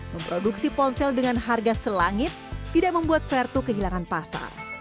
memproduksi ponsel dengan harga selangit tidak membuat vertu kehilangan pasar